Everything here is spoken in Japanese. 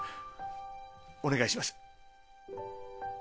お願いします。